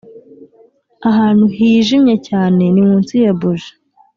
ahantu hijimye cyane ni munsi ya buji.